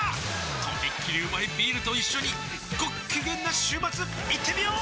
とびっきりうまいビールと一緒にごっきげんな週末いってみよー！